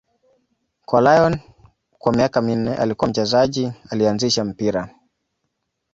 Kwa Lyon kwa miaka minne, alikuwa mchezaji aliyeanzisha mpira.